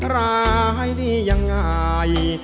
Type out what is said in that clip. ร้ายดียังไง